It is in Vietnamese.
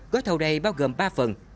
gối thậu đây bao gồm ba phần